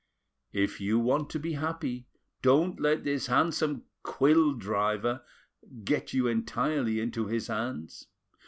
If you want to be happy, don't let this handsome quill driver get you entirely into his hands.